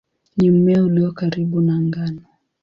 Ni mmea ulio karibu na ngano.